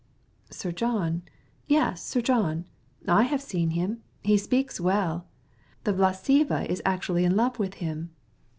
"Sir John! Yes, Sir John; I've seen him. He speaks well. The Vlassieva girl's quite in love with him."